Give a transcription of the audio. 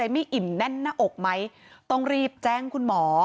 ไม่อิ่มแน่นหน้าอกไหมต้องรีบแจ้งคุณหมอ